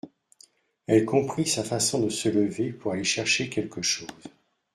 Elle comprit sa façon de se lever pour aller chercher quelque chose